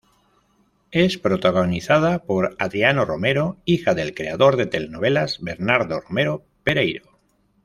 Es protagonizada por Adriana Romero, hija del creador de telenovelas Bernardo Romero Pereiro.